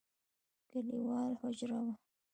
کليوالي حجره وه.